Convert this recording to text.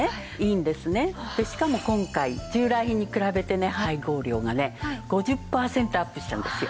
でしかも今回従来品に比べてね配合量がね５０パーセントアップしたんですよ。